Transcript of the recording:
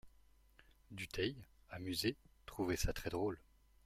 Dutheil, amusé, trouvait ça très drôle.